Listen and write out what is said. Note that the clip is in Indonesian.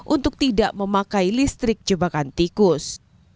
untuk tidak memakai listrik jebakan tikus